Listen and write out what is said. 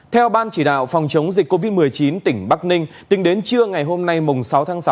theo ban chỉ đạo phòng chống dịch covid một mươi chín tỉnh bắc ninh tính đến trưa ngày hôm nay sáu tháng sáu